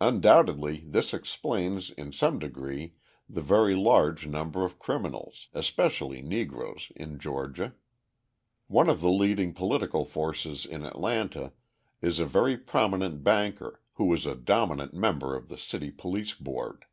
Undoubtedly this explains in some degree the very large number of criminals, especially Negroes, in Georgia. One of the leading political forces in Atlanta is a very prominent banker who is a dominant member of the city police board.